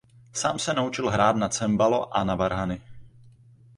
Sám se naučil hrát na cembalo a na varhany.